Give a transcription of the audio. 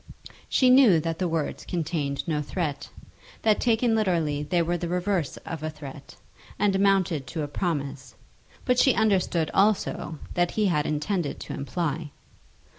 She knew that the words contained no threat, that taken literally they were the reverse of a threat, and amounted to a promise, but she understood also all that he had intended to imply.